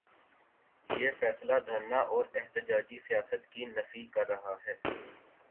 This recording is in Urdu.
یہ فیصلہ دھرنا اور احتجاجی سیاست کی نفی کر رہا ہے۔